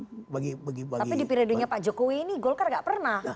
tapi di periodenya pak jokowi ini golkar gak pernah